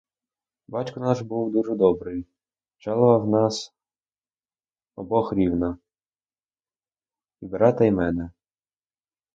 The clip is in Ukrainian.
Батько наш був дуже добрий: жалував нас обох рівно, і брата й мене.